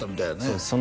そうです